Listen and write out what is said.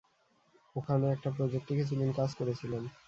ওখানে একটা প্রজেক্টে কিছুদিন কাজ করেছিলাম।